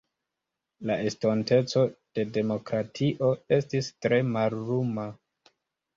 La estonteco de demokratio estis tre malluma.